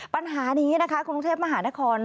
ปัญหานี้นะคะคุณองค์เทพมหานคร